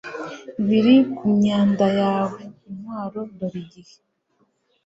biri ku myanda yawe! intwaro! dore igihe